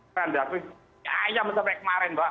nah ayam sampai kemarin mbak